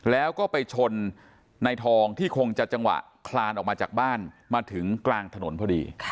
แล้วก็ไปชนในทองที่คงจะจังหวะคลานออกมาจากบ้านมาถึงกลางถนนพอดี